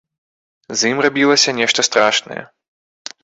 З ім рабілася нешта страшнае.